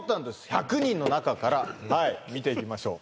１００人の中から見ていきましょう